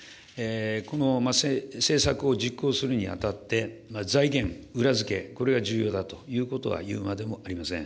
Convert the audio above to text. この政策を実行するにあたって、財源、裏付け、これが重要だということは言うまでもありません。